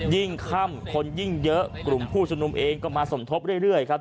ยิ่งค่ำคนยิ่งเยอะกลุ่มผู้ชุมนุมเองก็มาสมทบเรื่อยครับ